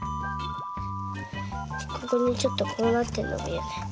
ここにちょっとこうなってんのがいや。